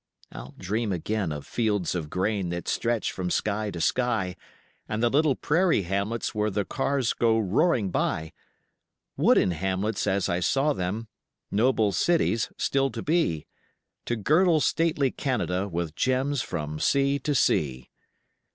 I'll dream again of fields of grain that stretch from sky to sky And the little prairie hamlets where the cars go roaring by, Wooden hamlets as I saw them noble cities still to be, To girdle stately Canada with gems from sea to sea.